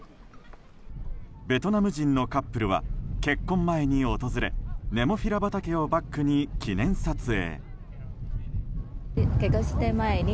ベトナム人のカップルは結婚前に訪れネモフィラ畑をバックに記念撮影。